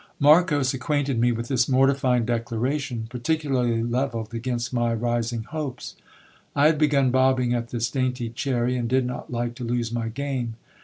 Marcos acquainted me with this mortifying declaration, particularly levelled against my rising hopes. I had begun bobbing at this dainty cherry, and did not like to lose my game.